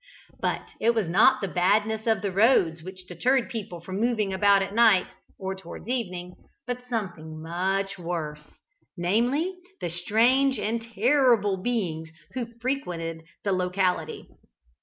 But it was not the badness of the roads which deterred people from moving about at night, or towards evening, but something much worse, namely the strange and terrible beings who frequented the locality.